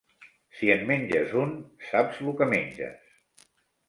Si en menges un saps lo que menges.